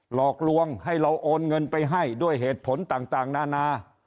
หลอกลวงให้เราโอนเงินไปให้ด้วยเหตุผลต่างนานา